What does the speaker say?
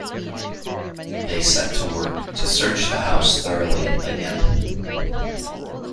They set to work to search the house thoroughly again.